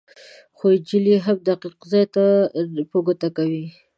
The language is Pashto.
خو انجیل یې هم دقیق ځای نه په ګوته کوي.